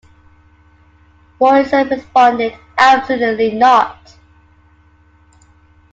Morrison responded, "absolutely not".